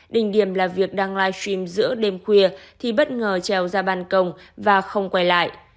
đình điểm là việc đăng live stream giữa đêm khuya thì bất ngờ trèo ra bàn công và không quay lại